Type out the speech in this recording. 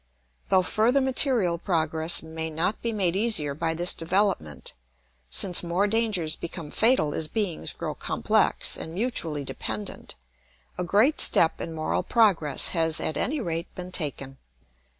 Though further material progress may not be made easier by this development, since more dangers become fatal as beings grow complex and mutually dependent, a great step in moral progress has at any rate been taken.